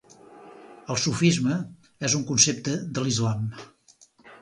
El sufisme és un concepte de l'Islam.